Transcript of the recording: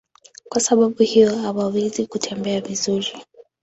Kwa sababu hiyo hawawezi kutembea vizuri.